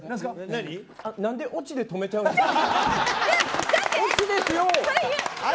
何でオチで止めちゃうんですか。